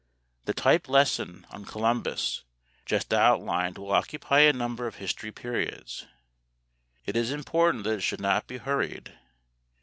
The "type lesson" on Columbus just outlined will occupy a number of history periods. It is important that it should not be hurried.